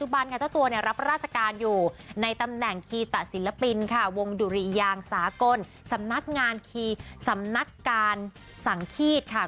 จุบันค่ะเจ้าตัวเนี่ยรับราชการอยู่ในตำแหน่งคีตะศิลปินค่ะวงดุริยางสากลสำนักงานคีย์สำนักการสังฆีตค่ะ